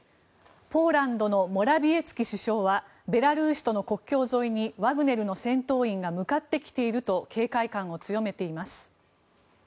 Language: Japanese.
ポーランドのモラビエツキ首相はベラルーシとの国境沿いにワグネルの戦闘員が向かってきていると警戒感を強めています。